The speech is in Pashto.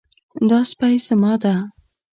دا سپی زما ده